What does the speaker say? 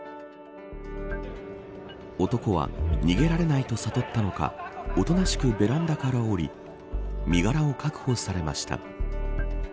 男は逃げられないと悟ったのかおとなしくベランダから降り身柄を確保されました。